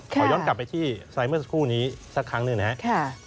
ขอย้อนกลับไปที่ไซส์เมื่อสักครู่นี้สักครั้งหนึ่งนะครับ